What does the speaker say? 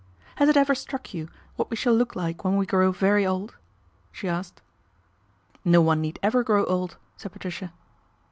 " Has it ever struck y what we shall look like when we grow very old she asked. "No one need ever grow old," said Patricia.